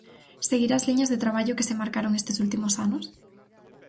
Seguirá as liñas de traballo que se marcaron estes últimos anos?